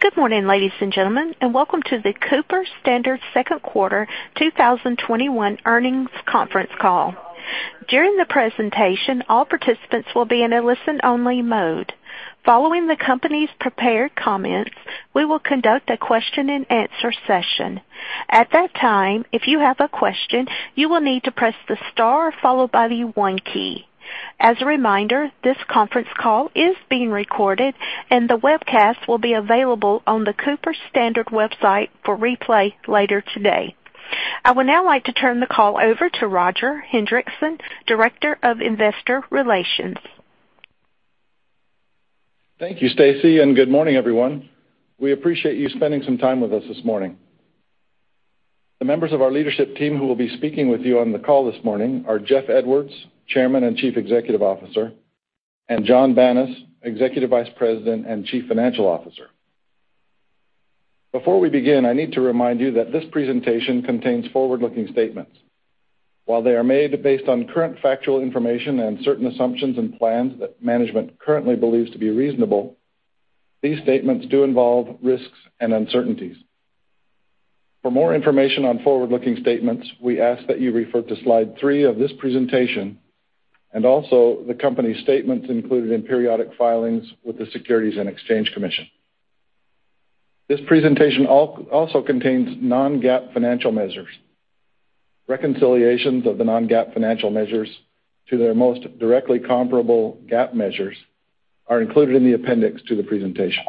Good morning, ladies and gentlemen, and welcome to the Cooper Standard second quarter 2021 earnings conference call. During the presentation, all participants will be in a listen-only mode. Following the company's prepared comments, we will conduct a question and answer session. At that time, if you have a question, you will need to press the star followed by the one key. As a reminder, this conference call is being recorded, and the webcast will be available on the Cooper Standard website for replay later today. I would now like to turn the call over to Roger Hendriksen, Director of Investor Relations. Thank you, Stacy, and good morning, everyone. We appreciate you spending some time with us this morning. The members of our leadership team who will be speaking with you on the call this morning are Jeff Edwards, Chairman and Chief Executive Officer, and Jon Banas, Executive Vice President and Chief Financial Officer. Before we begin, I need to remind you that this presentation contains forward-looking statements. While they are made based on current factual information and certain assumptions and plans that management currently believes to be reasonable, these statements do involve risks and uncertainties. For more information on forward-looking statements, we ask that you refer to slide three of this presentation and also the company's statements included in periodic filings with the Securities and Exchange Commission. This presentation also contains non-GAAP financial measures. Reconciliations of the non-GAAP financial measures to their most directly comparable GAAP measures are included in the appendix to the presentation.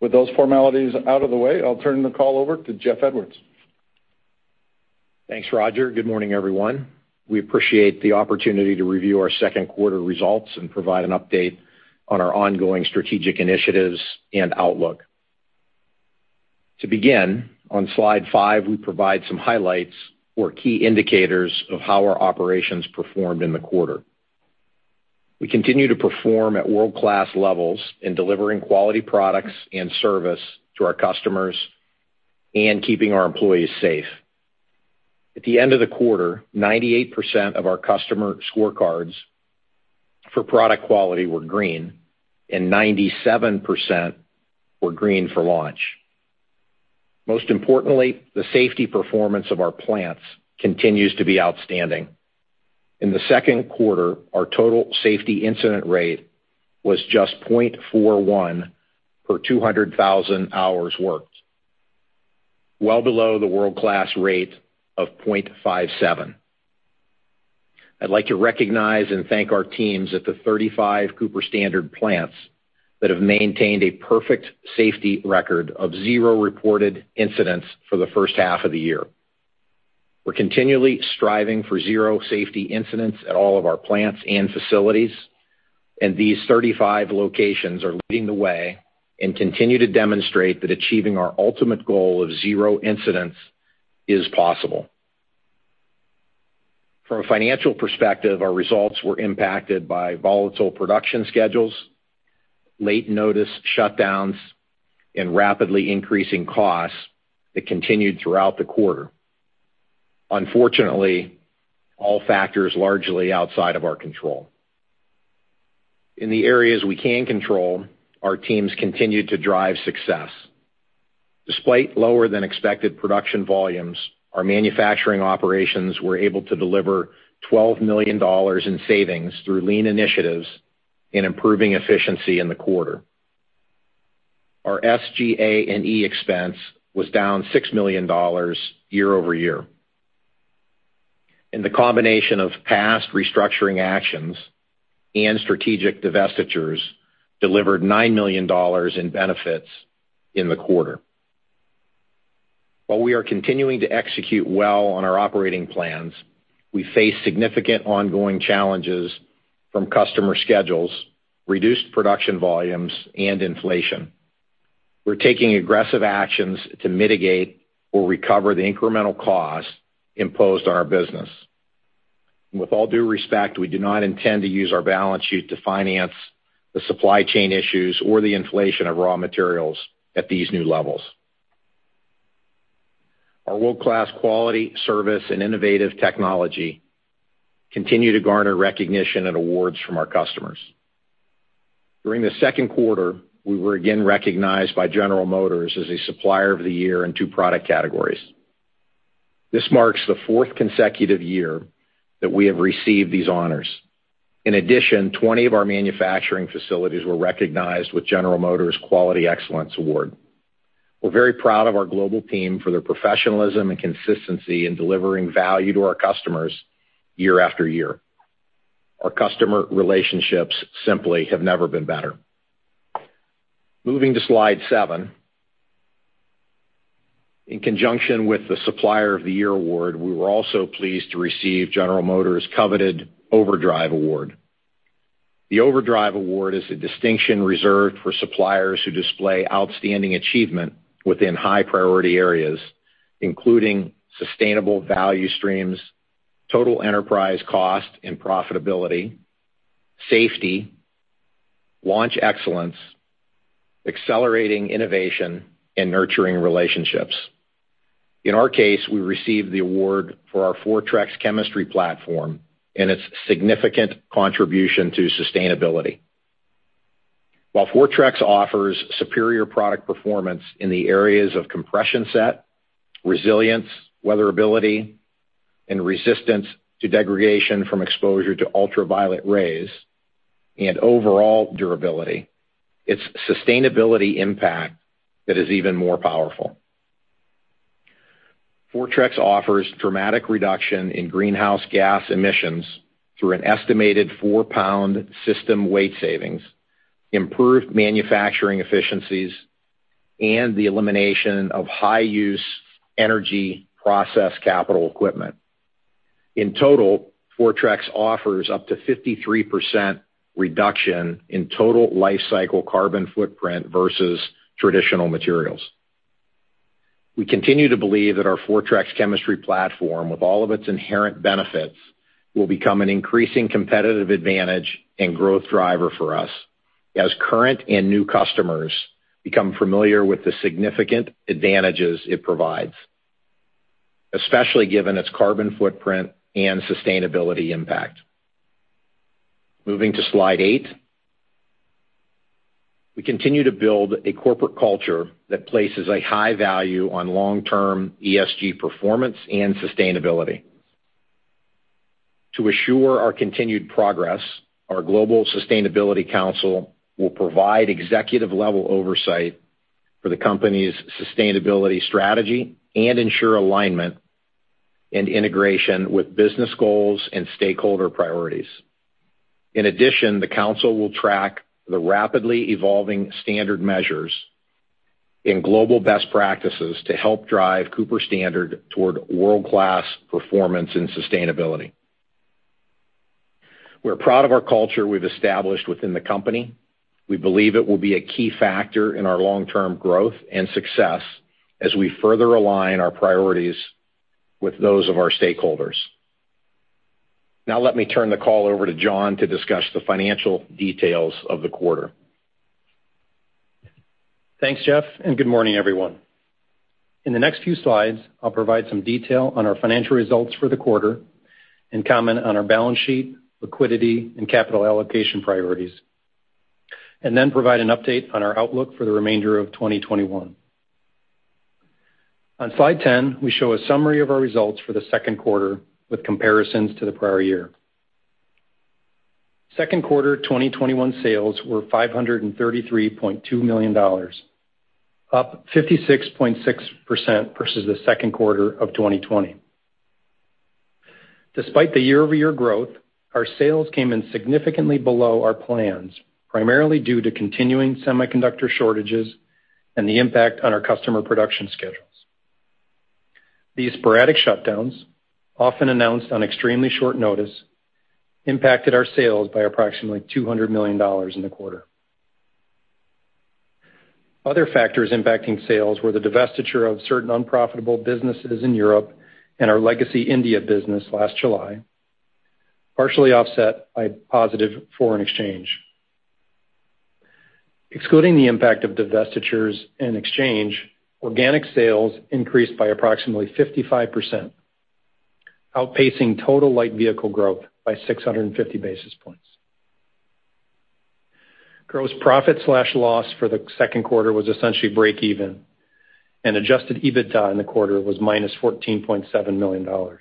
With those formalities out of the way, I'll turn the call over to Jeff Edwards. Thanks, Roger. Good morning, everyone. We appreciate the opportunity to review our second quarter results and provide an update on our ongoing strategic initiatives and outlook. To begin, on slide five, we provide some highlights or key indicators of how our operations performed in the quarter. We continue to perform at world-class levels in delivering quality products and service to our customers and keeping our employees safe. At the end of the quarter, 98% of our customer scorecards for product quality were green and 97% were green for launch. Most importantly, the safety performance of our plants continues to be outstanding. In the second quarter, our total safety incident rate was just 0.41 per 200,000 hours worked, well below the world-class rate of 0.57. I'd like to recognize and thank our teams at the 35 Cooper Standard plants that have maintained a perfect safety record of zero reported incidents for the first half of the year. We're continually striving for zero safety incidents at all of our plants and facilities, and these 35 locations are leading the way and continue to demonstrate that achieving our ultimate goal of zero incidents is possible. From a financial perspective, our results were impacted by volatile production schedules, late notice shutdowns, and rapidly increasing costs that continued throughout the quarter. Unfortunately, all factors largely outside of our control. In the areas we can control, our teams continued to drive success. Despite lower than expected production volumes, our manufacturing operations were able to deliver $12 million in savings through lean initiatives in improving efficiency in the quarter. Our SGA&E expense was down $6 million year-over-year. The combination of past restructuring actions and strategic divestitures delivered $9 million in benefits in the quarter. While we are continuing to execute well on our operating plans, we face significant ongoing challenges from customer schedules, reduced production volumes, and inflation. We're taking aggressive actions to mitigate or recover the incremental costs imposed on our business. With all due respect, we do not intend to use our balance sheet to finance the supply chain issues or the inflation of raw materials at these new levels. Our world-class quality, service, and innovative technology continue to garner recognition and awards from our customers. During the second quarter, we were again recognized by General Motors as a Supplier of the Year in two product categories. This marks the fourth consecutive year that we have received these honors. In addition, 20 of our manufacturing facilities were recognized with General Motors Supplier Quality Excellence Award. We're very proud of our global team for their professionalism and consistency in delivering value to our customers year after year. Our customer relationships simply have never been better. Moving to slide seven. In conjunction with the Supplier of the Year award, we were also pleased to receive General Motors' coveted Overdrive Award. The Overdrive Award is a distinction reserved for suppliers who display outstanding achievement within high-priority areas, including sustainable value streams, total enterprise cost and profitability, safety, launch excellence, accelerating innovation, and nurturing relationships. In our case, we received the award for our Fortrex chemistry platform and its significant contribution to sustainability. While Fortrex offers superior product performance in the areas of compression set, resilience, weatherability, and resistance to degradation from exposure to ultraviolet rays and overall durability, its sustainability impact that is even more powerful. Fortrex offers dramatic reduction in greenhouse gas emissions through an estimated four-pound system weight savings, improved manufacturing efficiencies, and the elimination of high-use energy process capital equipment. In total, Fortrex offers up to 53% reduction in total lifecycle carbon footprint versus traditional materials. We continue to believe that our Fortrex chemistry platform, with all of its inherent benefits, will become an increasing competitive advantage and growth driver for us as current and new customers become familiar with the significant advantages it provides, especially given its carbon footprint and sustainability impact. Moving to slide eight. We continue to build a corporate culture that places a high value on long-term ESG performance and sustainability. To assure our continued progress, our Global Sustainability Council will provide executive-level oversight for the company's sustainability strategy and ensure alignment and integration with business goals and stakeholder priorities. In addition, the council will track the rapidly evolving standard measures in global best practices to help drive Cooper Standard toward world-class performance in sustainability. We're proud of our culture we've established within the company. We believe it will be a key factor in our long-term growth and success as we further align our priorities with those of our stakeholders. Now, let me turn the call over to Jon to discuss the financial details of the quarter. Thanks, Jeff. Good morning, everyone. In the next few slides, I'll provide some detail on our financial results for the quarter and comment on our balance sheet, liquidity, and capital allocation priorities, and then provide an update on our outlook for the remainder of 2021. On slide 10, we show a summary of our results for the second quarter with comparisons to the prior year. Second quarter 2021 sales were $533.2 million, up 56.6% versus the second quarter of 2020. Despite the year-over-year growth, our sales came in significantly below our plans, primarily due to continuing semiconductor shortages and the impact on our customer production schedules. These sporadic shutdowns, often announced on extremely short notice, impacted our sales by approximately $200 million in the quarter. Other factors impacting sales were the divestiture of certain unprofitable businesses in Europe and our legacy India business last July, partially offset by positive foreign exchange. Excluding the impact of divestitures and exchange, organic sales increased by approximately 55%, outpacing total light vehicle growth by 650 basis points. Gross profit/loss for the second quarter was essentially break even, and adjusted EBITDA in the quarter was -$14.7 million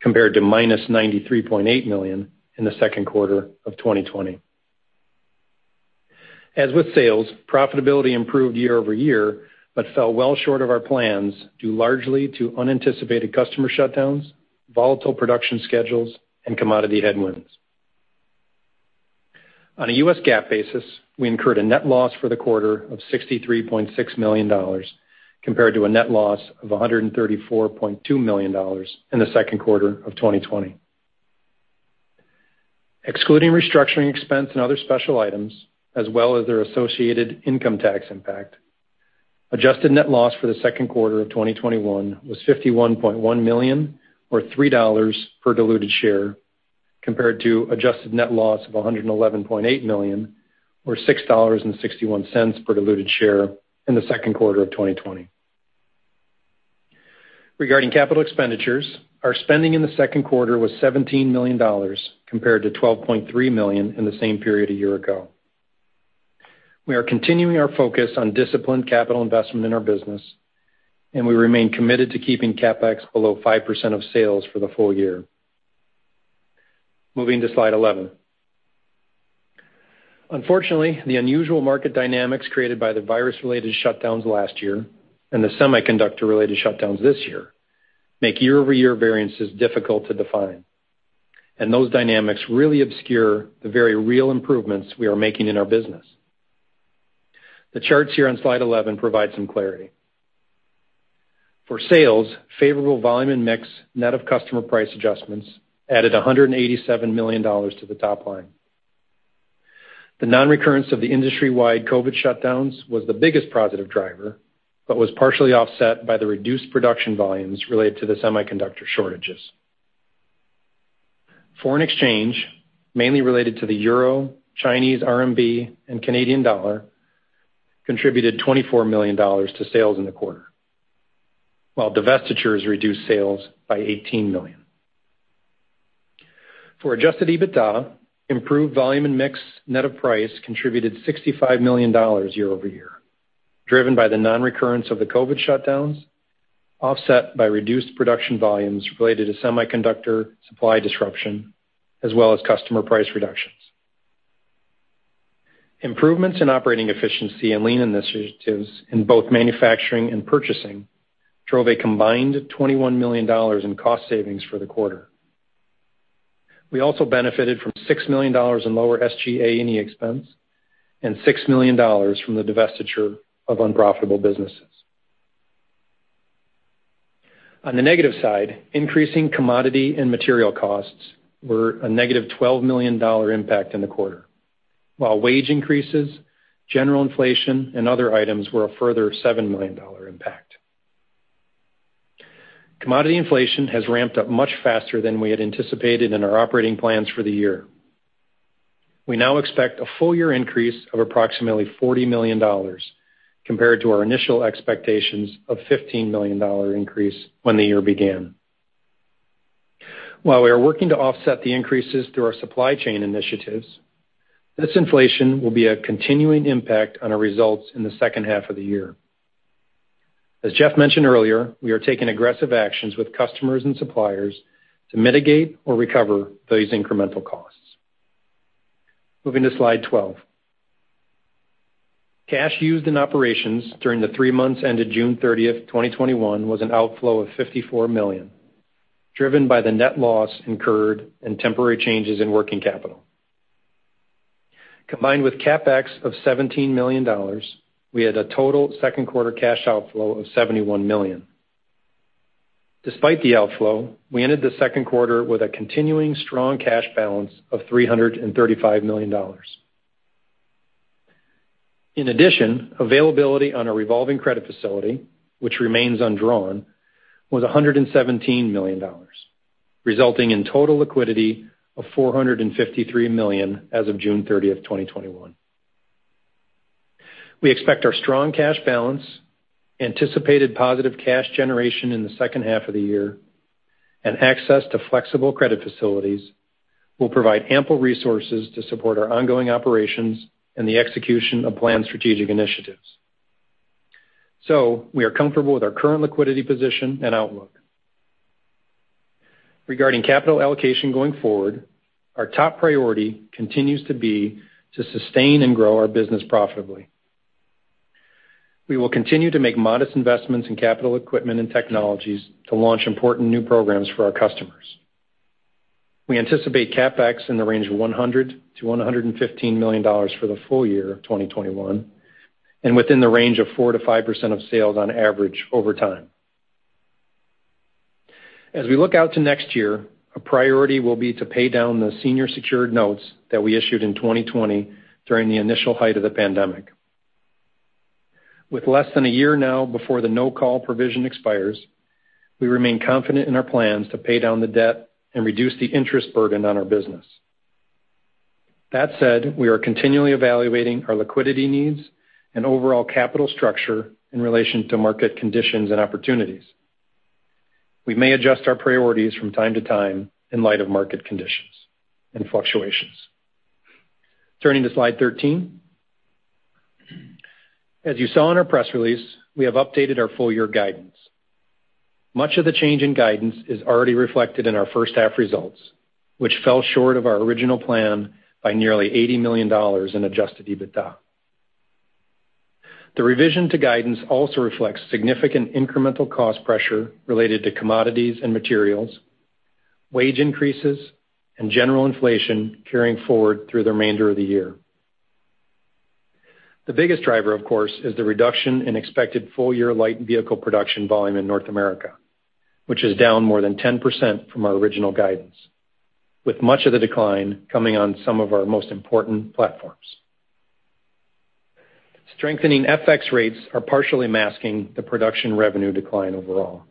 compared to -$93.8 million in the second quarter of 2020. As with sales, profitability improved year-over-year but fell well short of our plans, due largely to unanticipated customer shutdowns, volatile production schedules, and commodity headwinds. On a US GAAP basis, we incurred a net loss for the quarter of $63.6 million compared to a net loss of $134.2 million in the second quarter of 2020. Excluding restructuring expense and other special items, as well as their associated income tax impact, adjusted net loss for the second quarter of 2021 was $51.1 million, or $3 per diluted share, compared to adjusted net loss of $111.8 million, or $6.61 per diluted share in the second quarter of 2020. Regarding capital expenditures, our spending in the second quarter was $17 million compared to $12.3 million in the same period a year ago. We are continuing our focus on disciplined capital investment in our business, and we remain committed to keeping CapEx below 5% of sales for the full year. Moving to slide 11. Unfortunately, the unusual market dynamics created by the virus-related shutdowns last year and the semiconductor-related shutdowns this year make year-over-year variances difficult to define. Those dynamics really obscure the very real improvements we are making in our business. The charts here on slide 11 provide some clarity. For sales, favorable volume and mix, net of customer price adjustments added $187 million to the top line. The non-recurrence of the industry-wide COVID shutdowns was the biggest positive driver, was partially offset by the reduced production volumes related to the semiconductor shortages. Foreign exchange, mainly related to the euro, Chinese RMB, and Canadian dollar, contributed $24 million to sales in the quarter, while divestitures reduced sales by $18 million. For adjusted EBITDA, improved volume and mix net of price contributed $65 million year-over-year, driven by the non-recurrence of the COVID shutdowns, offset by reduced production volumes related to semiconductor supply disruption, as well as customer price reductions. Improvements in operating efficiency and lean initiatives in both manufacturing and purchasing drove a combined $21 million in cost savings for the quarter. We also benefited from $6 million in lower SGA&E expense and $6 million from the divestiture of unprofitable businesses. On the negative side, increasing commodity and material costs were a negative $12 million impact in the quarter. While wage increases, general inflation, and other items were a further $7 million impact. Commodity inflation has ramped up much faster than we had anticipated in our operating plans for the year. We now expect a full-year increase of approximately $40 million compared to our initial expectations of $15 million increase when the year began. While we are working to offset the increases through our supply chain initiatives, this inflation will be a continuing impact on our results in the second half of the year. As Jeff mentioned earlier, we are taking aggressive actions with customers and suppliers to mitigate or recover those incremental costs. Moving to slide 12. Cash used in operations during the three months ended June 30th, 2021, was an outflow of $54 million, driven by the net loss incurred and temporary changes in working capital. Combined with CapEx of $17 million, we had a total second quarter cash outflow of $71 million. Despite the outflow, we ended the second quarter with a continuing strong cash balance of $335 million. In addition, availability on a revolving credit facility, which remains undrawn, was $117 million, resulting in total liquidity of $453 million as of June 30th, 2021. We expect our strong cash balance, anticipated positive cash generation in the second half of the year, and access to flexible credit facilities will provide ample resources to support our ongoing operations and the execution of planned strategic initiatives. We are comfortable with our current liquidity position and outlook. Regarding capital allocation going forward, our top priority continues to be to sustain and grow our business profitably. We will continue to make modest investments in capital equipment and technologies to launch important new programs for our customers. We anticipate CapEx in the range of $100 million-$115 million for the full year of 2021, and within the range of 4%-5% of sales on average over time. As we look out to next year, a priority will be to pay down the senior secured notes that we issued in 2020 during the initial height of the pandemic. With less than a year now before the no-call provision expires, we remain confident in our plans to pay down the debt and reduce the interest burden on our business. That said, we are continually evaluating our liquidity needs and overall capital structure in relation to market conditions and opportunities. We may adjust our priorities from time to time in light of market conditions and fluctuations. Turning to slide 13. As you saw in our press release, we have updated our full year guidance. Much of the change in guidance is already reflected in our first half results, which fell short of our original plan by nearly $80 million in adjusted EBITDA. The revision to guidance also reflects significant incremental cost pressure related to commodities and materials, wage increases, and general inflation carrying forward through the remainder of the year. The biggest driver, of course, is the reduction in expected full-year light vehicle production volume in North America, which is down more than 10% from our original guidance, with much of the decline coming on some of our most important platforms. Strengthening FX rates are partially masking the production revenue decline overall.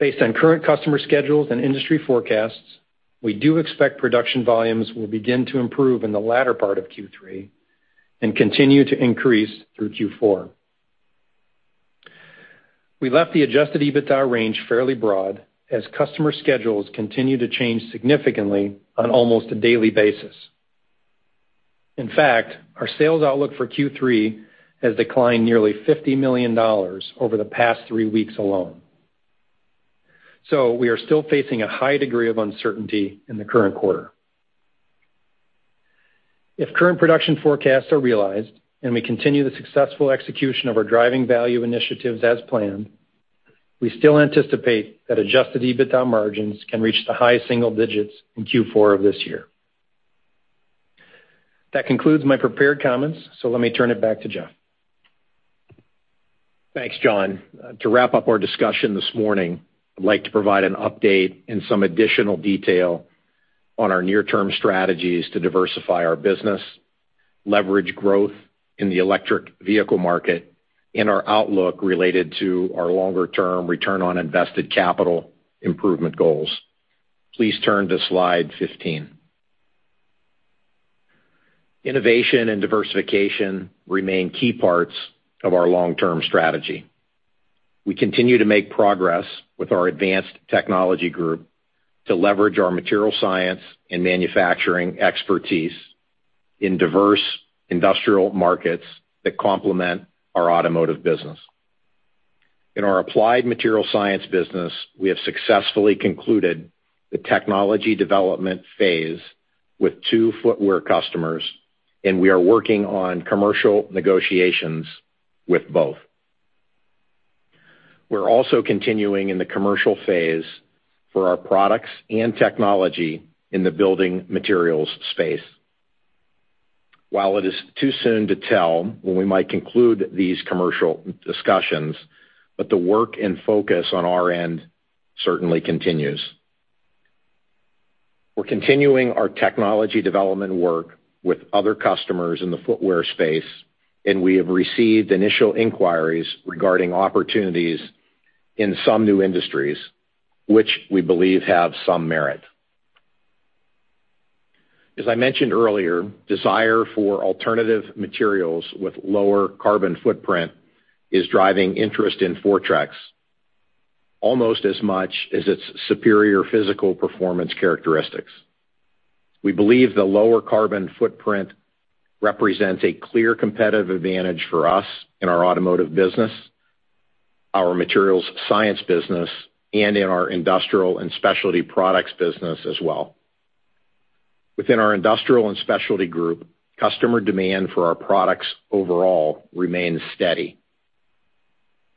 Based on current customer schedules and industry forecasts, we do expect production volumes will begin to improve in the latter part of Q3 and continue to increase through Q4. We left the adjusted EBITDA range fairly broad as customer schedules continue to change significantly on almost a daily basis. In fact, our sales outlook for Q3 has declined nearly $50 million over the past three weeks alone. We are still facing a high degree of uncertainty in the current quarter. If current production forecasts are realized and we continue the successful execution of our Driving Value initiatives as planned, we still anticipate that adjusted EBITDA margins can reach the high single digits in Q4 of this year. That concludes my prepared comments, so let me turn it back to Jeff. Thanks, Jon. To wrap up our discussion this morning, I'd like to provide an update and some additional detail on our near-term strategies to diversify our business, leverage growth in the electric vehicle market and our outlook related to our longer-term return on invested capital improvement goals. Please turn to slide 15. Innovation and diversification remain key parts of our long-term strategy. We continue to make progress with our Advanced Technology Group to leverage our material science and manufacturing expertise in diverse industrial markets that complement our automotive business. In our applied material science business, we have successfully concluded the technology development phase with two footwear customers, we are working on commercial negotiations with both. We're also continuing in the commercial phase for our products and technology in the building materials space. While it is too soon to tell when we might conclude these commercial discussions, but the work and focus on our end certainly continues. We're continuing our technology development work with other customers in the footwear space, and we have received initial inquiries regarding opportunities in some new industries, which we believe have some merit. As I mentioned earlier, desire for alternative materials with lower carbon footprint is driving interest in Fortrex almost as much as its superior physical performance characteristics. We believe the lower carbon footprint represents a clear competitive advantage for us in our automotive business, our materials science business, and in our industrial and specialty products business as well. Within our Industrial and Specialty Group, customer demand for our products overall remains steady.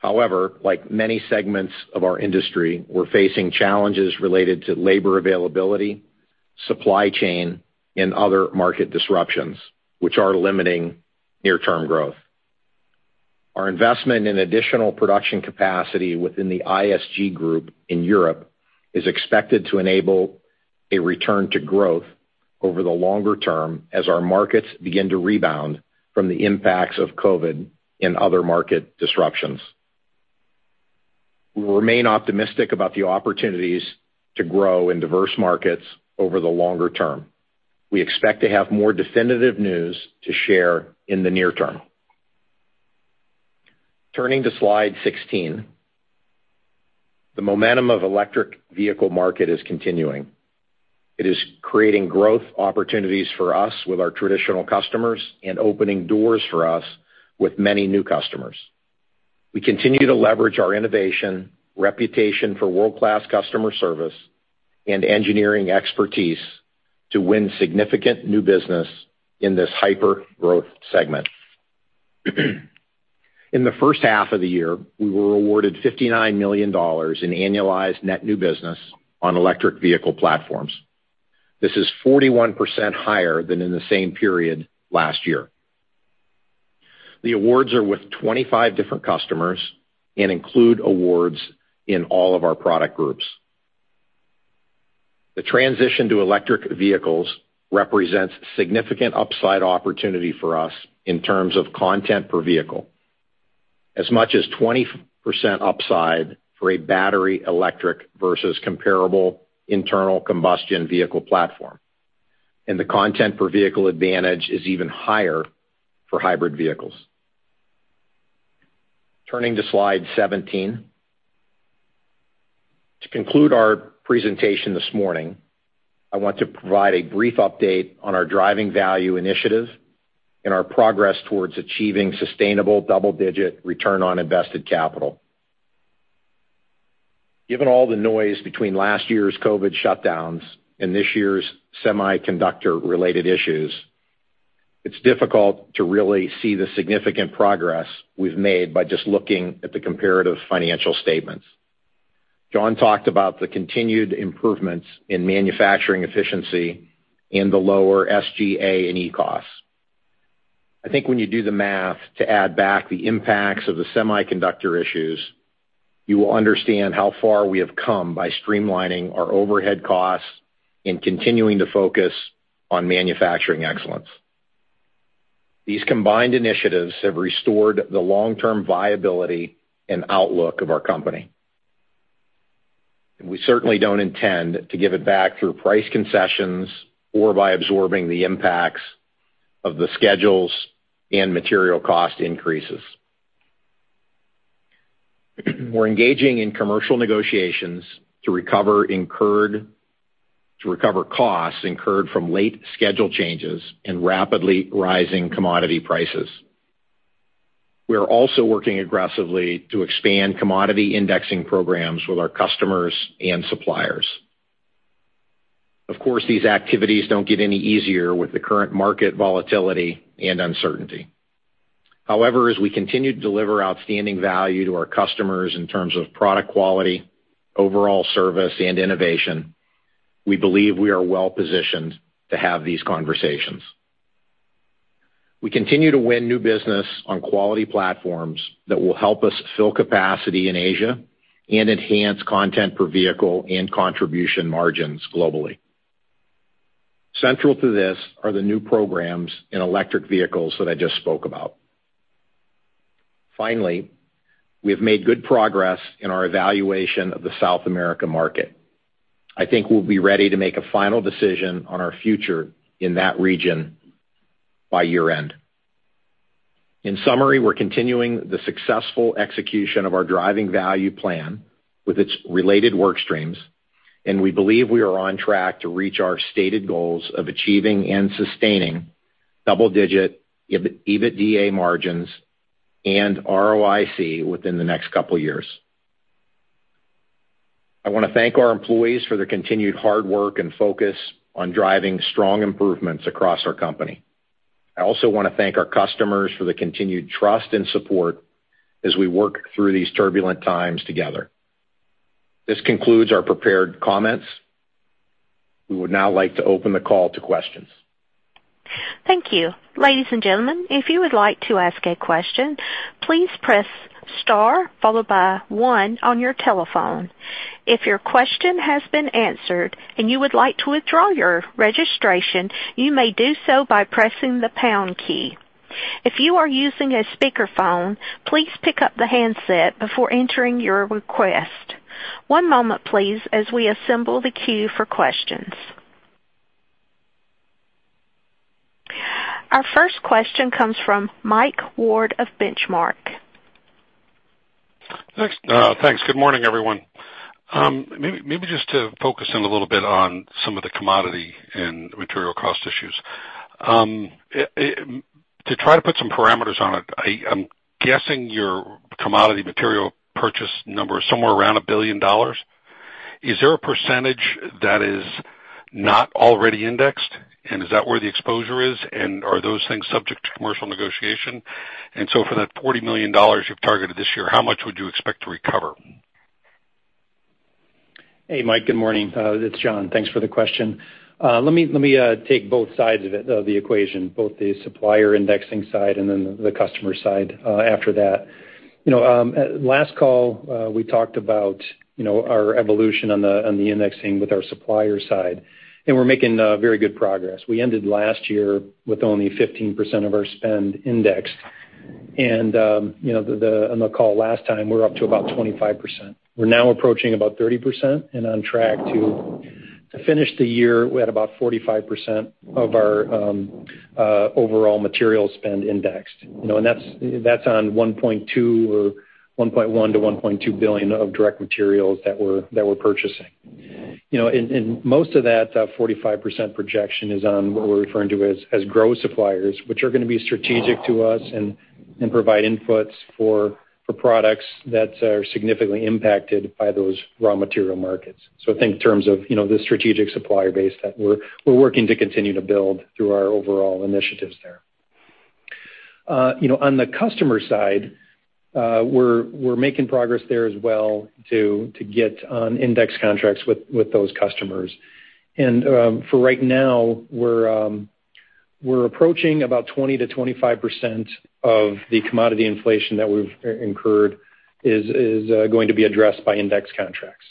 Like many segments of our industry, we're facing challenges related to labor availability, supply chain, and other market disruptions, which are limiting near-term growth. Our investment in additional production capacity within the ISG in Europe is expected to enable a return to growth over the longer term as our markets begin to rebound from the impacts of COVID and other market disruptions. We remain optimistic about the opportunities to grow in diverse markets over the longer term. We expect to have more definitive news to share in the near term. Turning to slide 16. The momentum of electric vehicle market is continuing. It is creating growth opportunities for us with our traditional customers and opening doors for us with many new customers. We continue to leverage our innovation, reputation for world-class customer service, and engineering expertise to win significant new business in this hyper-growth segment. In the first half of the year, we were awarded $59 million in annualized net new business on electric vehicle platforms. This is 41% higher than in the same period last year. The awards are with 25 different customers and include awards in all of our product groups. The transition to electric vehicles represents significant upside opportunity for us in terms of content per vehicle. As much as 20% upside for a battery electric versus comparable internal combustion vehicle platform, and the content per vehicle advantage is even higher for hybrid vehicles. Turning to slide 17. To conclude our presentation this morning, I want to provide a brief update on our Driving Value initiative and our progress towards achieving sustainable double-digit return on invested capital. Given all the noise between last year's COVID shutdowns and this year's semiconductor-related issues, it's difficult to really see the significant progress we've made by just looking at the comparative financial statements. Jon talked about the continued improvements in manufacturing efficiency and the lower SGA&E costs. I think when you do the math to add back the impacts of the semiconductor issues, you will understand how far we have come by streamlining our overhead costs and continuing to focus on manufacturing excellence. These combined initiatives have restored the long-term viability and outlook of our company. We certainly don't intend to give it back through price concessions or by absorbing the impacts of the schedules and material cost increases. We're engaging in commercial negotiations to recover costs incurred from late schedule changes and rapidly rising commodity prices. We are also working aggressively to expand commodity indexing programs with our customers and suppliers. Of course, these activities don't get any easier with the current market volatility and uncertainty. However, as we continue to deliver outstanding value to our customers in terms of product quality, overall service, and innovation, we believe we are well-positioned to have these conversations. We continue to win new business on quality platforms that will help us fill capacity in Asia and enhance content per vehicle and contribution margins globally. Central to this are the new programs in electric vehicles that I just spoke about. Finally, we have made good progress in our evaluation of the South America market. I think we'll be ready to make a final decision on our future in that region by year-end. In summary, we're continuing the successful execution of our Driving Value Plan with its related work streams, and we believe we are on track to reach our stated goals of achieving and sustaining double-digit EBITDA margins and ROIC within the next couple of years. I want to thank our employees for their continued hard work and focus on driving strong improvements across our company. I also want to thank our customers for the continued trust and support as we work through these turbulent times together. This concludes our prepared comments. We would now like to open the call to questions. Thank you. Ladies and gentlemen, if you would like to ask a question, please press star followed by one on your telephone. If your question has been answered and you would like to withdraw your registration, you may do so by pressing the pound key. If you are using a speakerphone, please pick up the handset before entering your request. One moment, please, as we assemble the queue for questions. Our first question comes from Mike Ward of Benchmark. Thanks. Good morning, everyone. Maybe just to focus in a little bit on some of the commodity and material cost issues. To try to put some parameters on it, I'm guessing your commodity material purchase number is somewhere around $1 billion. Is there a percentage that is not already indexed? Is that where the exposure is? Are those things subject to commercial negotiation? For that $40 million you've targeted this year, how much would you expect to recover? Hey, Mike, good morning. It's Jon. Thanks for the question. Let me take both sides of the equation, both the supplier indexing side and then the customer side after that. Last call, we talked about our evolution on the indexing with our supplier side, and we're making very good progress. We ended last year with only 15% of our spend indexed. On the call last time, we were up to about 25%. We're now approaching about 30% and on track to finish the year with about 45% of our overall material spend indexed. That's on $1.1 billion-$1.2 billion of direct materials that we're purchasing. Most of that 45% projection is on what we're referring to as grow suppliers, which are going to be strategic to us and provide inputs for products that are significantly impacted by those raw material markets. Think in terms of the strategic supplier base that we're working to continue to build through our overall initiatives there. On the customer side, we're making progress there as well to get on index contracts with those customers. For right now, we're approaching about 20%-25% of the commodity inflation that we've incurred is going to be addressed by index contracts.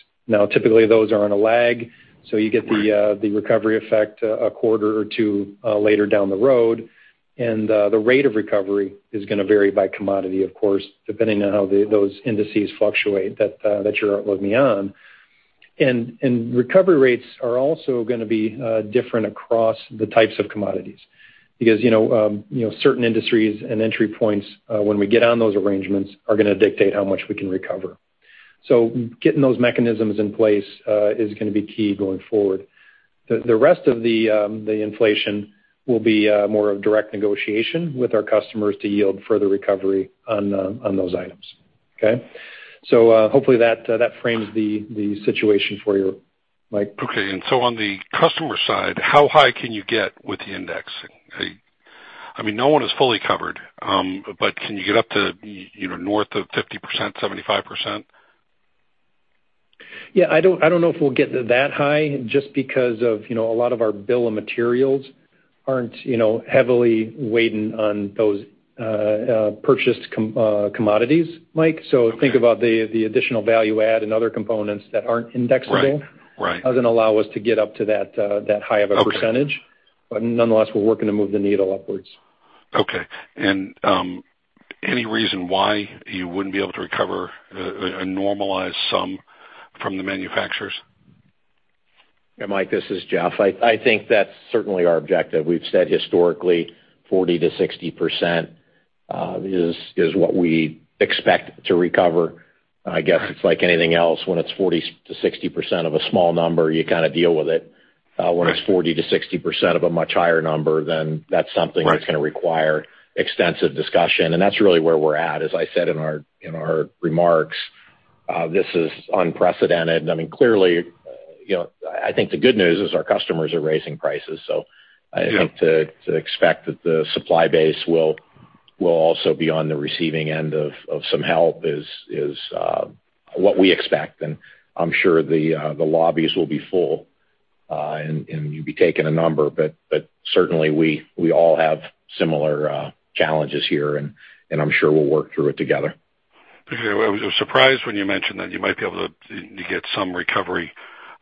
Typically, those are on a lag, so you get the recovery effect a quarter or two later down the road. The rate of recovery is going to vary by commodity, of course, depending on how those indices fluctuate that you're outloading on. Recovery rates are also going to be different across the types of commodities because certain industries and entry points, when we get on those arrangements, are going to dictate how much we can recover. Getting those mechanisms in place is going to be key going forward. The rest of the inflation will be more of direct negotiation with our customers to yield further recovery on those items. Okay. Hopefully that frames the situation for you, Mike. Okay. On the customer side, how high can you get with the indexing? No one is fully covered, but can you get up to north of 50%, 75%? Yeah, I don't know if we'll get to that high just because of a lot of our bill of materials aren't heavily weighting on those purchased commodities, Mike. Think about the additional value add and other components that aren't indexable. Right. Doesn't allow us to get up to that high of a percentage. Okay. Nonetheless, we're working to move the needle upwards. Okay. Any reason why you wouldn't be able to recover a normalized sum from the manufacturers? Yeah, Mike, this is Jeff. I think that's certainly our objective. We've said historically 40%-60% is what we expect to recover. I guess it's like anything else, when it's 40%-60% of a small number, you kind of deal with it. When it's 40%-60% of a much higher number, then that's something that's going to require extensive discussion. That's really where we're at. As I said in our remarks, this is unprecedented. Clearly, I think the good news is our customers are raising prices. I think to expect that the supply base will also be on the receiving end of some help is what we expect. I'm sure the lobbies will be full. You'd be taking a number, but certainly, we all have similar challenges here, and I'm sure we'll work through it together. I was surprised when you mentioned that you might be able to get some recovery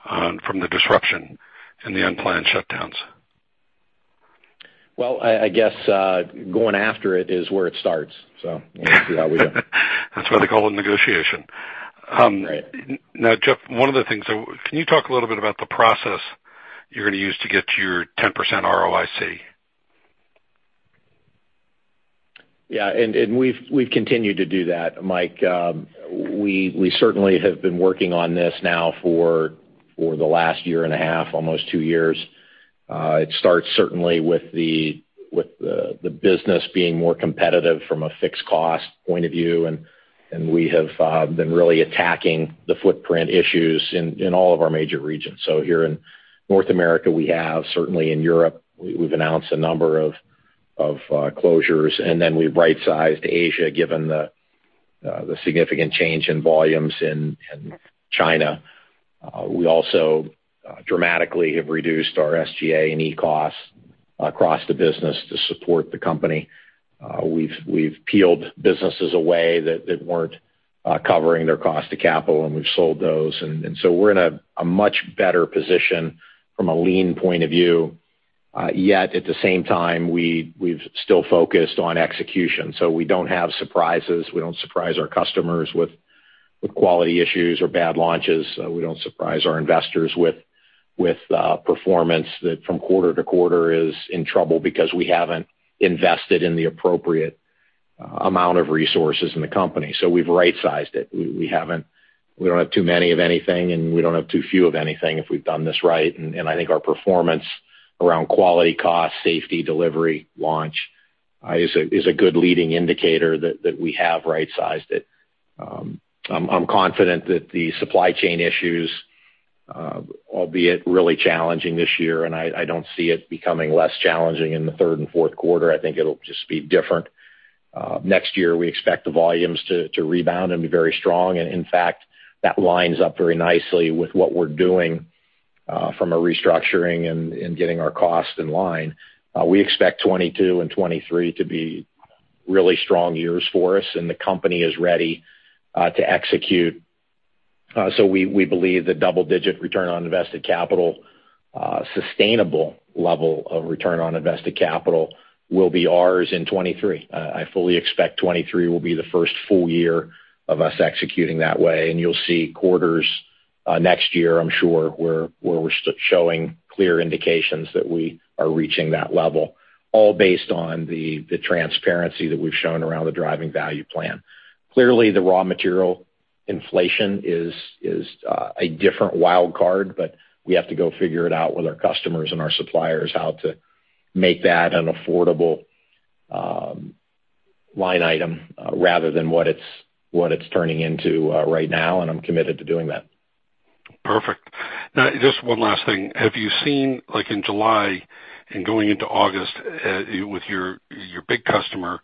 from the disruption and the unplanned shutdowns. Well, I guess going after it is where it starts. We'll see how we go. That's why they call it negotiation. Right. Jeff, one of the things, can you talk a little bit about the process you're going to use to get to your 10% ROIC? Yeah. We've continued to do that, Mike. We certainly have been working on this now for the last year and a half, almost two years. It starts certainly with the business being more competitive from a fixed cost point of view, and we have been really attacking the footprint issues in all of our major regions. Here in North America, we have. Certainly in Europe, we've announced a number of closures, and then we've right-sized Asia, given the significant change in volumes in China. We also dramatically have reduced our SGA&E costs across the business to support the company. We've peeled businesses away that weren't covering their cost of capital, and we've sold those. We're in a much better position from a lean point of view. Yet at the same time, we've still focused on execution. We don't have surprises. We don't surprise our customers with quality issues or bad launches. We don't surprise our investors with performance that from quarter to quarter is in trouble because we haven't invested in the appropriate amount of resources in the company. We've right-sized it. We don't have too many of anything, and we don't have too few of anything if we've done this right. I think our performance around quality, cost, safety, delivery, launch is a good leading indicator that we have right-sized it. I'm confident that the supply chain issues, albeit really challenging this year, and I don't see it becoming less challenging in the third and fourth quarter. I think it'll just be different. Next year, we expect the volumes to rebound and be very strong. In fact, that lines up very nicely with what we're doing from a restructuring and getting our cost in line. We expect 2022 and 2023 to be really strong years for us, and the company is ready to execute. We believe the double-digit return on invested capital, sustainable level of return on invested capital will be ours in 2023. I fully expect 2023 will be the first full year of us executing that way. You'll see quarters next year, I'm sure, where we're showing clear indications that we are reaching that level, all based on the transparency that we've shown around the Driving Value Plan. Clearly, the raw material inflation is a different wild card, but we have to go figure it out with our customers and our suppliers how to make that an affordable line item rather than what it's turning into right now, and I'm committed to doing that. Perfect. Just one last thing. Have you seen, like in July and going into August with your big customer,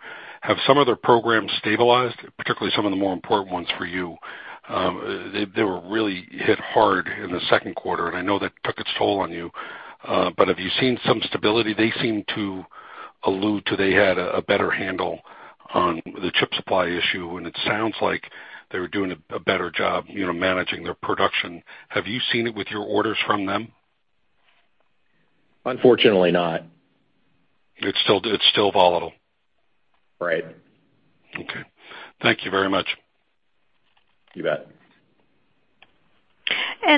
have some of their programs stabilized, particularly some of the more important ones for you? They were really hit hard in the second quarter. I know that took its toll on you. Have you seen some stability? They seem to allude to they had a better handle on the chip supply issue. It sounds like they were doing a better job managing their production. Have you seen it with your orders from them? Unfortunately not. It's still volatile. Right. Okay. Thank you very much. You bet.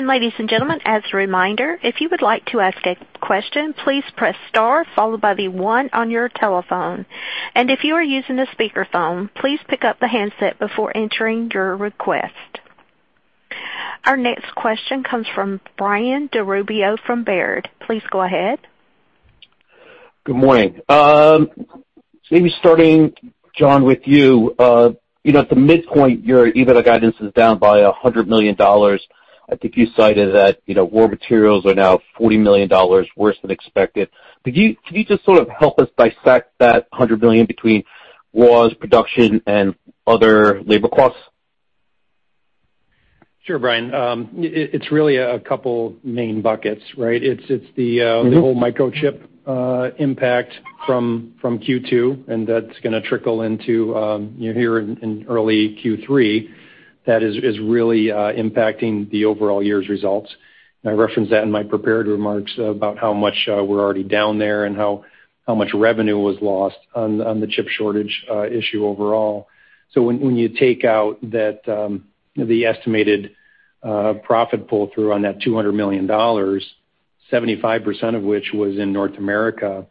Ladies and gentlemen, as a reminder, if you would like to ask a question, please press star followed by the one on your telephone. If you are using the speakerphone, please pick up the handset before entering your request. Our next question comes from Brian DeRubio from Baird. Please go ahead. Good morning. Maybe starting, Jon, with you. At the midpoint, your EBITDA guidance is down by $100 million. I think you cited that raw materials are now $40 million worse than expected. Could you just sort of help us dissect that $100 million between losses, production, and other labor costs? Sure, Brian. It's really a two main buckets, right? It's the whole microchip impact from Q2. That's going to trickle into here in early Q3. That is really impacting the overall year's results. I referenced that in my prepared remarks about how much we're already down there and how much revenue was lost on the chip shortage issue overall. When you take out the estimated profit pull-through on that $200 million, 75% of which was in North America,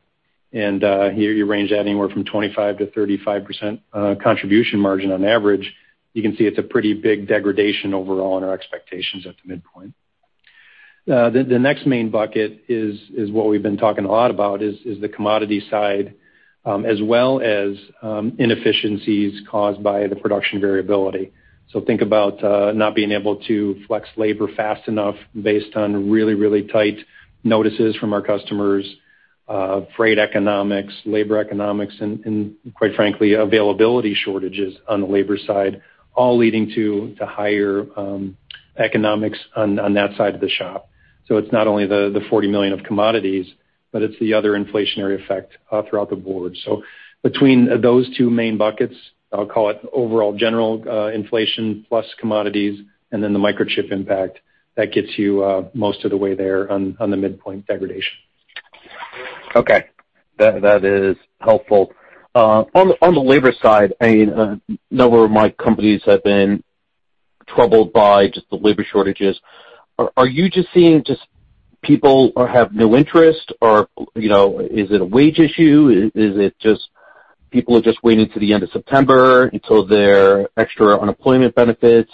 and you range that anywhere from 25%-35% contribution margin on average, you can see it's a pretty big degradation overall in our expectations at the midpoint. The next main bucket is what we've been talking a lot about is the commodity side as well as inefficiencies caused by the production variability. Think about not being able to flex labor fast enough based on really, really tight notices from our customers. Freight economics, labor economics, and quite frankly, availability shortages on the labor side, all leading to higher economics on that side of the shop. It's not only the $40 million of commodities, but it's the other inflationary effect throughout the board. Between those two main buckets, I'll call it overall general inflation plus commodities, and then the microchip impact, that gets you most of the way there on the midpoint degradation. Okay. That is helpful. On the labor side, a number of my companies have been troubled by just the labor shortages. Are you just seeing just people have no interest or is it a wage issue? Is it just people are just waiting till the end of September until their extra unemployment benefits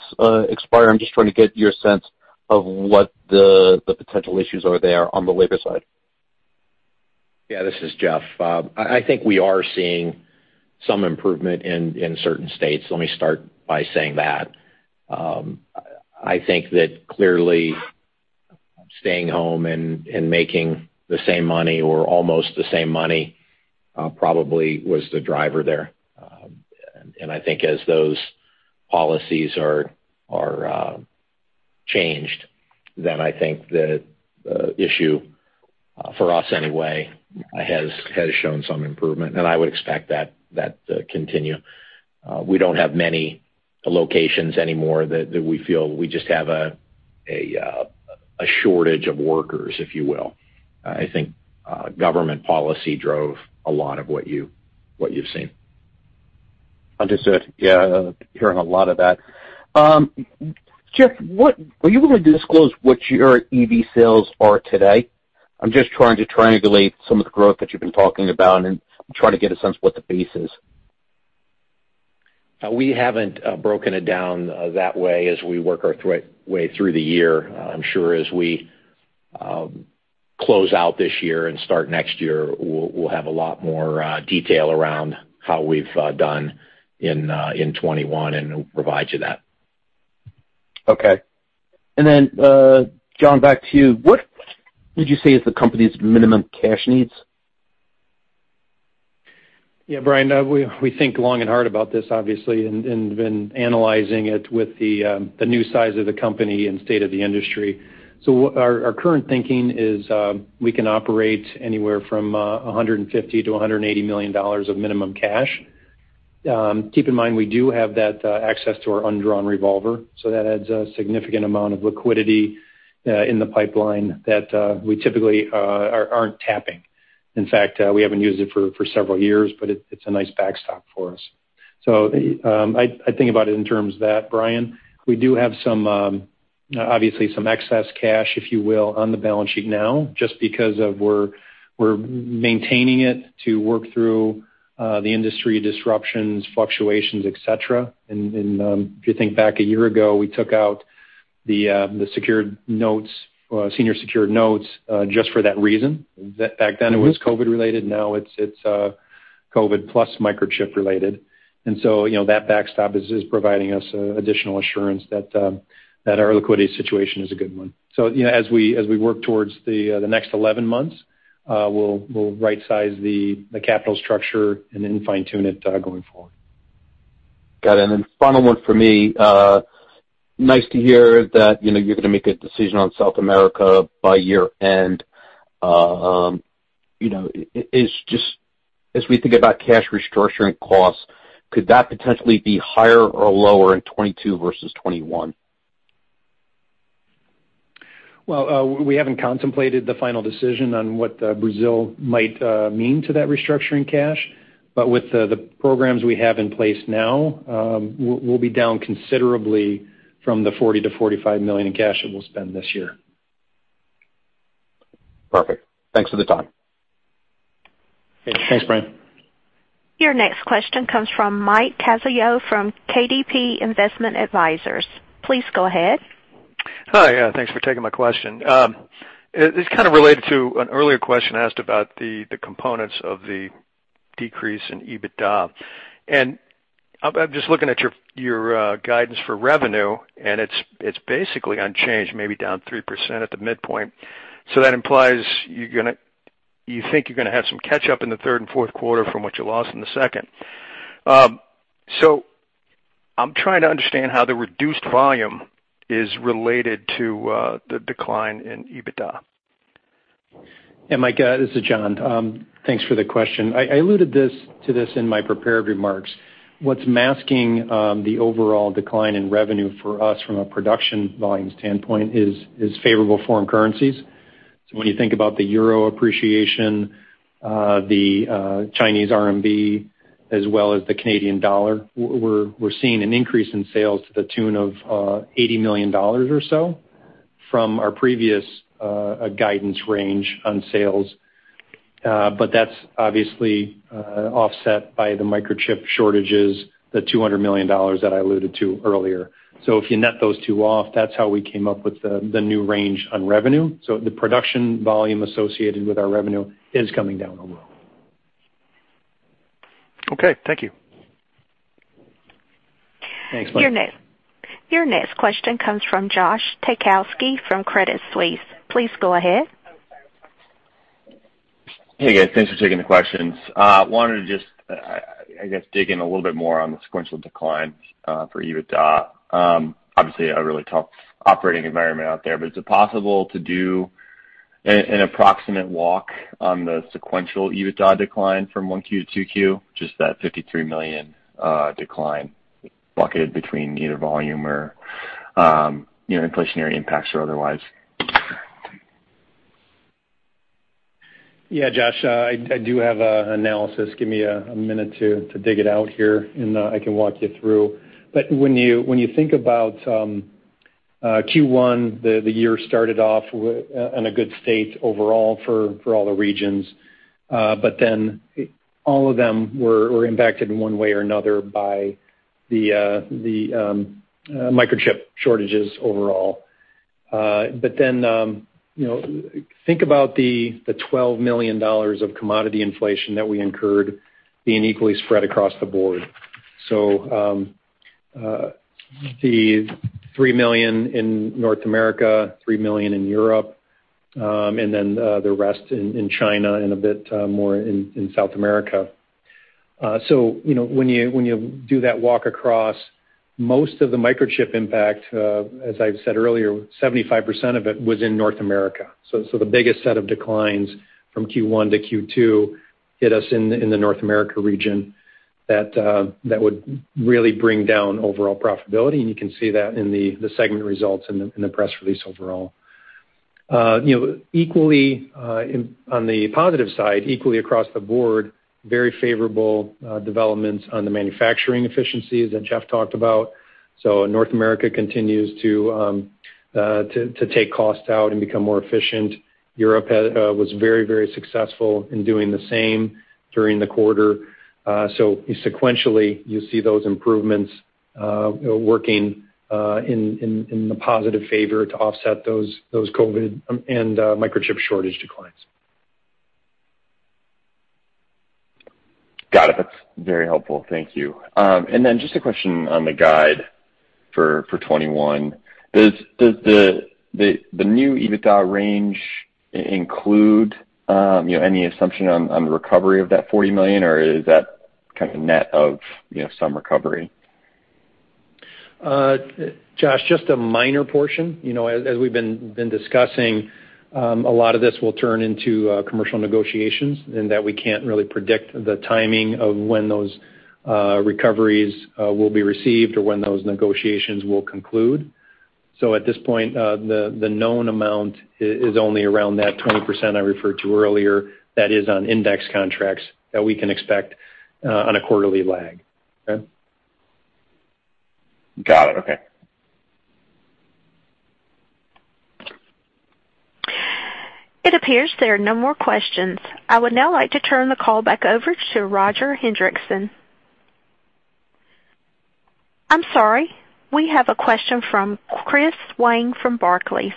expire? I'm just trying to get your sense of what the potential issues are there on the labor side. This is Jeff. I think we are seeing some improvement in certain states. Let me start by saying that. I think that clearly staying home and making the same money or almost the same money probably was the driver there. I think as those policies are changed, then I think the issue, for us anyway, has shown some improvement, and I would expect that to continue. We don't have many locations anymore that we feel we just have a shortage of workers, if you will. I think government policy drove a lot of what you've seen. Understood. Yeah, hearing a lot of that. Jeff, are you willing to disclose what your EV sales are today? I'm just trying to triangulate some of the growth that you've been talking about and trying to get a sense of what the base is. We haven't broken it down that way as we work our way through the year. I'm sure as we close out this year and start next year, we'll have a lot more detail around how we've done in 2021 and provide you that. Okay. Jon, back to you. What would you say is the company's minimum cash needs? Yeah, Brian, we think long and hard about this obviously, and been analyzing it with the new size of the company and state of the industry. Our current thinking is we can operate anywhere from $150 million-$180 million of minimum cash. Keep in mind, we do have that access to our undrawn revolver, so that adds a significant amount of liquidity in the pipeline that we typically aren't tapping. In fact, we haven't used it for several years, but it's a nice backstop for us. I think about it in terms of that, Brian. We do have obviously some excess cash, if you will, on the balance sheet now, just because of we're maintaining it to work through the industry disruptions, fluctuations, et cetera. If you think back a one year ago, we took out the senior secured notes just for that reason. Back then it was COVID related. Now it's COVID plus microchip related. That backstop is providing us additional assurance that our liquidity situation is a good one. As we work towards the next 11 months, we'll right size the capital structure and then fine tune it going forward. Got it. Final one for me. Nice to hear that you're going to make a decision on South America by year end. As we think about cash restructuring costs, could that potentially be higher or lower in 2022 versus 2021? We haven't contemplated the final decision on what Brazil might mean to that restructuring cash. With the programs we have in place now, we'll be down considerably from the $40 million-$45 million in cash that we'll spend this year. Perfect. Thanks for the time. Thanks, Brian. Your next question comes from Mike Cazayoux from KDP Investment Advisors. Please go ahead. Hi. Yeah, thanks for taking my question. It's kind of related to an earlier question asked about the components of the decrease in EBITDA. I'm just looking at your guidance for revenue, and it's basically unchanged, maybe down 3% at the midpoint. That implies you think you're going to have some catch up in the third and fourth quarter from what you lost in the second. I'm trying to understand how the reduced volume is related to the decline in EBITDA. Mike, this is Jon. Thanks for the question. I alluded to this in my prepared remarks. What's masking the overall decline in revenue for us from a production volume standpoint is favorable foreign currencies. When you think about the euro appreciation, the Chinese RMB, as well as the Canadian dollar, we're seeing an increase in sales to the tune of $80 million or so from our previous guidance range on sales. That's obviously offset by the microchip shortages, the $200 million that I alluded to earlier. If you net those two off, that's how we came up with the new range on revenue. The production volume associated with our revenue is coming down overall. Okay. Thank you. Thanks, Mike. Your next question comes from Josh Taykowski from Credit Suisse. Please go ahead. Hey, guys. Thanks for taking the questions. Wanted to just, I guess, dig in a little bit more on the sequential decline for EBITDA. Obviously, a really tough operating environment out there, is it possible to do an approximate walk on the sequential EBITDA decline from Q1 to Q2, just that $53 million decline bucketed between either volume or inflationary impacts or otherwise? Josh, I do have an analysis. Give me a minute to dig it out here, I can walk you through. When you think about Q1, the year started off in a good state overall for all the regions. All of them were impacted in one way or another by the microchip shortages overall. Think about the $12 million of commodity inflation that we incurred being equally spread across the board. The $3 million in North America, $3 million in Europe, the rest in China and a bit more in South America. When you do that walk across most of the microchip impact, as I've said earlier, 75% of it was in North America. The biggest set of declines from Q1 to Q2 hit us in the North America region that would really bring down overall profitability. You can see that in the segment results in the press release overall. On the positive side, equally across the board, very favorable developments on the manufacturing efficiencies that Jeff talked about. North America continues to take costs out and become more efficient. Europe was very successful in doing the same during the quarter. Sequentially, you see those improvements working in the positive favor to offset those COVID and microchip shortage declines. Got it. That's very helpful. Thank you. Just a question on the guide for 2021. Does the new EBITDA range include any assumption on the recovery of that $40 million, or is that kind of net of some recovery? Josh, just a minor portion. As we've been discussing, a lot of this will turn into commercial negotiations and that we can't really predict the timing of when those recoveries will be received or when those negotiations will conclude. At this point, the known amount is only around that 20% I referred to earlier. That is on index contracts that we can expect on a quarterly lag. Okay? Got it. Okay. It appears there are no more questions. I would now like to turn the call back over to Roger Hendriksen. I'm sorry. We have a question from [Chris Huang] from Barclays.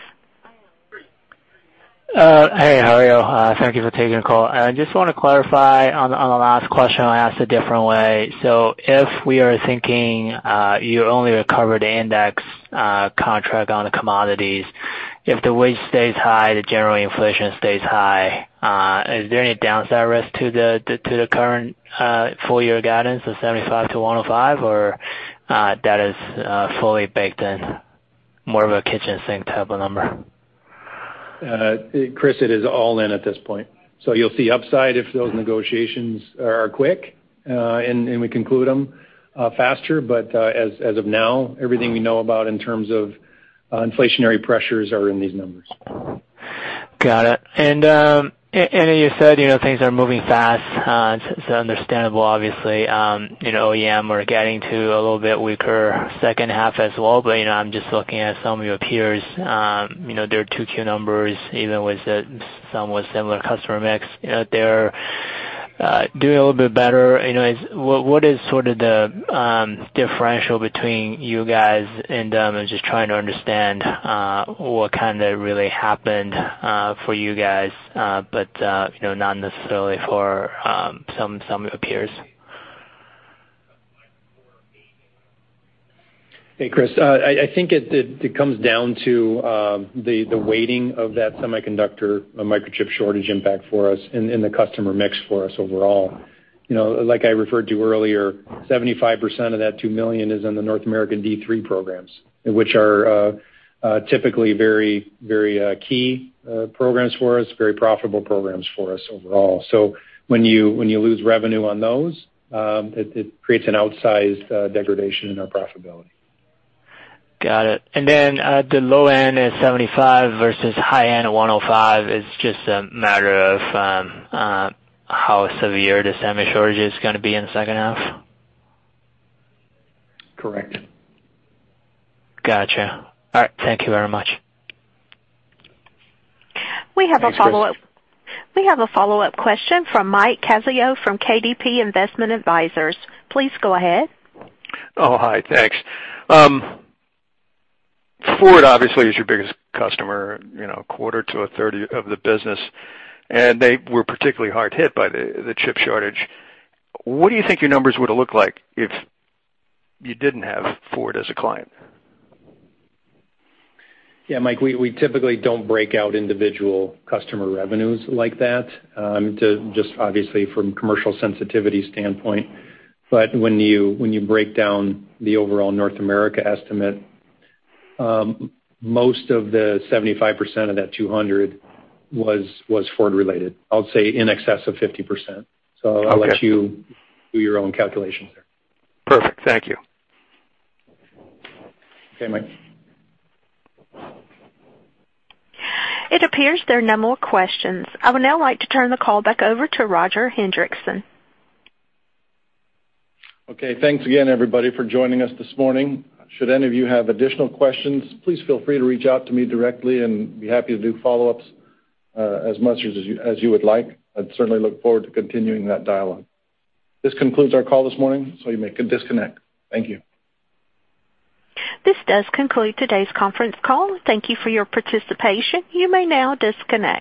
Hey, how are you? Thank you for taking the call. I just want to clarify on the last question I asked a different way. If we are thinking you only recover the index contract on the commodities, if the wage stays high, the general inflation stays high, is there any downside risk to the current full year guidance of $75-$105, or that is fully baked in more of a kitchen sink type of number? Chris, it is all in at this point. You'll see upside if those negotiations are quick and we conclude them faster. As of now, everything we know about in terms of inflationary pressures are in these numbers. Got it. You said things are moving fast. It's understandable, obviously, in OEM, we're getting to a little bit weaker second half as well. I'm just looking at some of your peers. Their Q2 numbers, even with some with similar customer mix, they're doing a little bit better. What is sort of the differential between you guys and them? I'm just trying to understand what kind of really happened for you guys but not necessarily for some of your peers. Hey, Chris. I think it comes down to the weighting of that semiconductor microchip shortage impact for us and the customer mix for us overall. Like I referred to earlier, 75% of that 2 million is in the North American D3 programs, which are typically very key programs for us, very profitable programs for us overall. When you lose revenue on those, it creates an outsized degradation in our profitability. Then the low end at $75 versus high end at $105 is just a matter of how severe the semi shortage is gonna be in the second half? Correct. Got you. All right. Thank you very much. We have a follow-up question from Michael Cazayoux from KDP Investment Advisors. Please go ahead. Oh, hi. Thanks. Ford obviously is your biggest customer, a quarter to a third of the business, and they were particularly hard hit by the chip shortage. What do you think your numbers would look like if you didn't have Ford as a client? Yeah, Mike, we typically don't break out individual customer revenues like that just obviously from commercial sensitivity standpoint. When you break down the overall North America estimate, most of the 75% of that $200 was Ford related, I'll say in excess of 50%. I'll let you do your own calculations there. Perfect. Thank you. Okay, Mike. It appears there are no more questions. I would now like to turn the call back over to Roger Hendriksen. Okay. Thanks again, everybody, for joining us this morning. Should any of you have additional questions, please feel free to reach out to me directly, and be happy to do follow-ups as much as you would like. I'd certainly look forward to continuing that dialogue. This concludes our call this morning, so you may disconnect. Thank you. This does conclude today's conference call. Thank you for your participation. You may now disconnect.